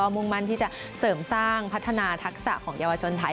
มุ่งมั่นที่จะเสริมสร้างพัฒนาทักษะของเยาวชนไทย